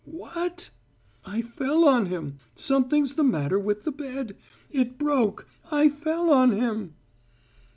"What!" "I fell on him! Something's the matter with the bed. It broke. I fell on him!"